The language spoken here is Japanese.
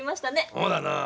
そうだなぁ。